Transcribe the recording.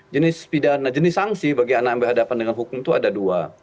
jenis pidana jenis sanksi bagi anak yang berhadapan dengan hukum itu ada dua